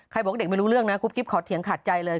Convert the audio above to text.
บอกว่าเด็กไม่รู้เรื่องนะกุ๊บกิ๊บขอเถียงขาดใจเลย